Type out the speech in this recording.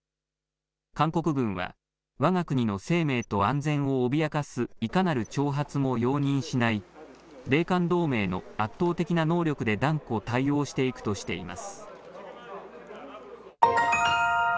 韓国軍は、わが国の生命と安全を脅かすいかなる挑発も容認しない、米韓同盟の圧倒的な能力で断固対応していくとしています。